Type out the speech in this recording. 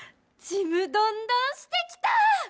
ちむどんどんしてきた。